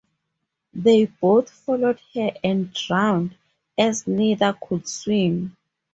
They both followed her and drowned, as neither could swim.